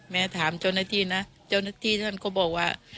แม่ถามเจ้าหน้าที่นะเจ้าหน้าที่ท่านก็บอกว่า